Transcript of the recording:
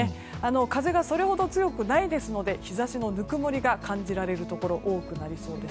風がそれほど強くないので日差しのぬくもりを感じられるところが多くなりそうです。